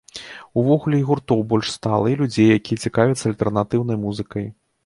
Увогуле і гуртоў больш стала, і людзей, якія цікавяцца альтэрнатыўнай музыкай.